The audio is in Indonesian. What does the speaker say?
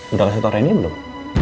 udah kasih tau randy belum